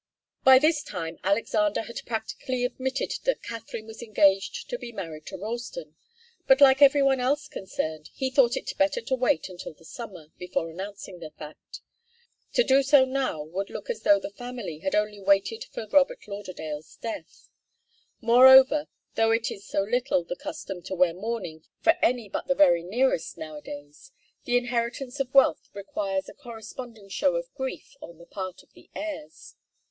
By this time Alexander had practically admitted that Katharine was engaged to be married to Ralston, but like every one else concerned, he thought it better to wait until the summer, before announcing the fact. To do so now would look as though the family had only waited for Robert Lauderdale's death. Moreover, though it is so little the custom to wear mourning for any but the very nearest nowadays, the inheritance of wealth requires a corresponding show of grief on the part of the heirs.